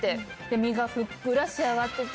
身がふっくら仕上がってて。